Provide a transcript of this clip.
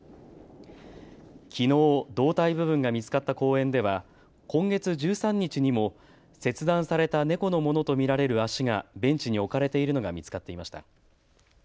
きのう胴体部分が見つかった公園では今月１３日にも切断された猫のものと見られる足がベンチに置かれているのが見つかっていました。